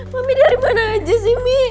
mami dari mana aja sih mi